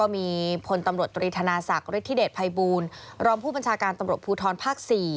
มีพลตำรวจตรีธนาศักดิ์ฤทธิเดชภัยบูลรองผู้บัญชาการตำรวจภูทรภาค๔